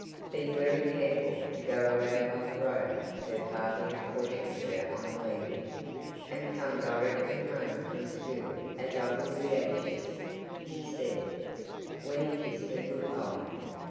"Be very careful to go around by the road," her father had cautioned her on leaving, "and come directly home from school as I will be anxious," he said, when he kissed her good bye.